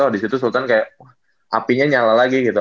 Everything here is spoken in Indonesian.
oh disitu sultan kayak apinya nyala lagi gitu